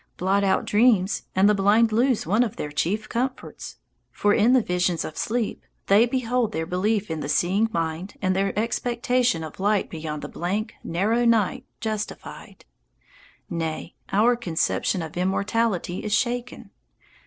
Blot out dreams, and the blind lose one of their chief comforts; for in the visions of sleep they behold their belief in the seeing mind and their expectation of light beyond the blank, narrow night justified. Nay, our conception of immortality is shaken.